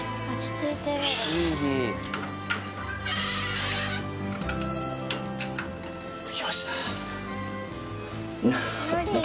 着きました。